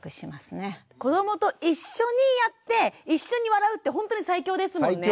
子どもと一緒にやって一緒に笑うってほんとに最強ですもんね。